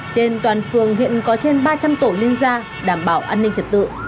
trên toàn phường hiện có trên ba trăm linh tổ liên gia đảm bảo an ninh trật tự